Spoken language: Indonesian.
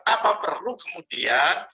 apa perlu kemudian